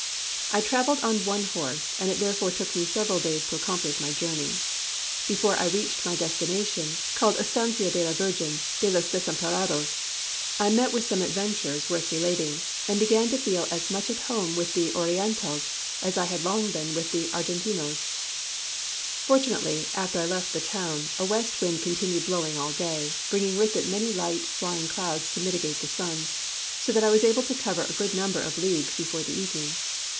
I travelled on one horse, and it therefore took me several days to accomplish my journey. Before I reached my destination, called Estancia de la Virgin de los Desamparados, I met with some adventures worth relating, and began to feel as much at home with the Orientáles as I had long been with the Argentinos. Fortunately, after I left the town, a west wind continued blowing all day, bringing with it many light, flying clouds to mitigate the sun, so that I was able to cover a good number of leagues before the evening.